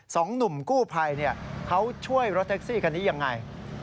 สองหนุ่มกู้ภัยเขาช่วยรถแท็กซี่คันนี้ยังไง